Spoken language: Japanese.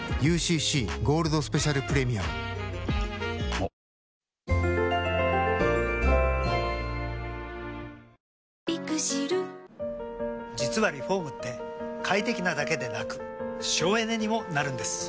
新しくなった実はリフォームって快適なだけでなく省エネにもなるんです。